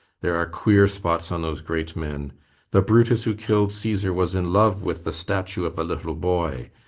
There are queer spots on those great men. The Brutus who killed Cæsar was in love with the statue of a little boy.